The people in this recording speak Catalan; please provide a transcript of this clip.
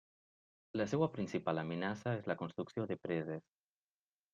La seua principal amenaça és la construcció de preses.